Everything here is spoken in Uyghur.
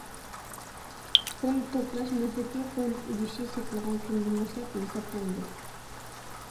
فوند توپلاش مۆھلىتى فوند ئۈلۈشى سېتىلغان كۈندىن باشلاپ ھېسابلىنىدۇ.